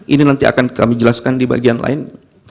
ini nanti akan kami jelaskan di bagian lain